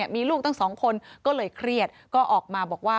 มีลูกทั้งสองคนก็เลยเครียดก็ออกมาบอกว่า